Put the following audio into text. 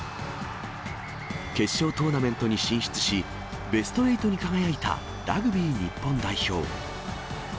決勝トーナメントに進出し、ベスト８に輝いたラグビー日本代表。